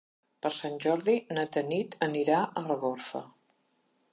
Per Sant Jordi na Tanit anirà a Algorfa.